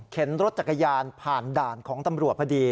รถจักรยานผ่านด่านของตำรวจพอดี